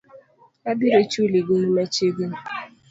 Abiro chuli gowi machiegni